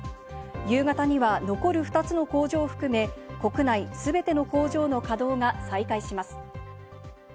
夕方には残る２つの工場を含め、国内全ての工場の稼働が再開します。